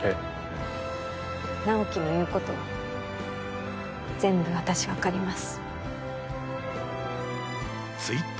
直木の言うことは全部私、分かります。